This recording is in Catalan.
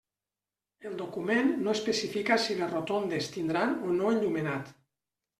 El document no especifica si les rotondes tindran o no enllumenat.